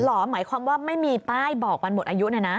หมายความว่าไม่มีป้ายบอกวันหมดอายุนะนะ